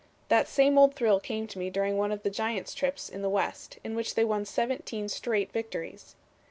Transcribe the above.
That same old thrill came to me during one of the Giants' trips in the West in which they won seventeen straight victories.